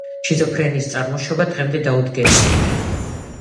შიზოფრენიის წარმოშობა დღემდე დაუდგენელია.